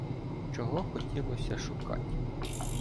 Чого хотілося шукать: